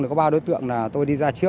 thì có ba đối tượng tôi đi ra trước